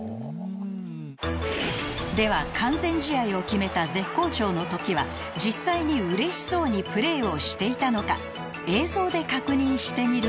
では完全試合を決めた絶好調の時は実際に嬉しそうにプレーをしていたのか映像で確認してみると